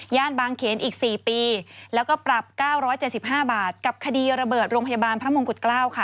บางเขนอีก๔ปีแล้วก็ปรับ๙๗๕บาทกับคดีระเบิดโรงพยาบาลพระมงกุฎเกล้าค่ะ